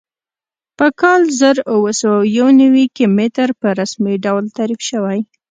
په کال زر اووه سوه یو نوي کې متر په رسمي ډول تعریف شوی.